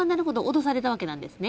脅されたわけなんですね？